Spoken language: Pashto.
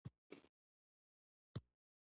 لاستا په پرښوکې خزان ګورم